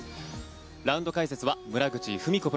ラウンド解説は村口史子